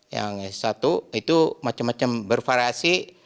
yang satu itu macam macam bervariasi